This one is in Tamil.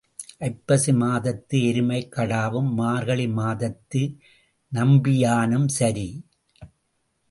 ஐப்பசி மாதத்து எருமைக் கடாவும் மார்கழி மாதத்து நம்பியானும் சரி.